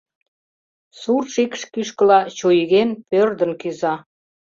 Сур шикш кӱшкыла чуйген, пӧрдын кӱза.